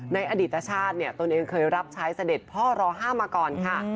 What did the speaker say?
ในอดีตชาติตนเองเคยรับใช้เสด็จพ่อรอ๕มาก่อนค่ะ